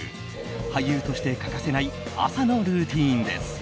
俳優として欠かせない朝のルーティンです。